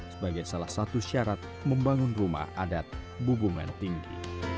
sebagai salah satu syarat membangun rumah adat bubumen tinggi